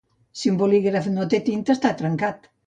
Si un bolígraf no té tinta, està trencat.